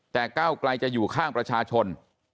แต่ก้าวไกลจะอยู่ข้างประชาชน